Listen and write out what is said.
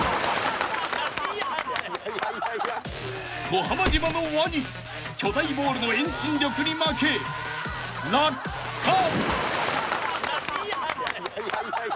［小浜島のワニ巨大ボールの遠心力に負け落下］